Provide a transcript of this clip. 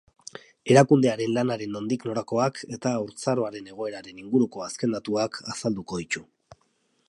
Erakundearen lanaren nondik norakoak eta haurtzaroaren egoeraren inguruko azken datuak azalduko ditu.